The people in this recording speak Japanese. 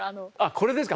これですか？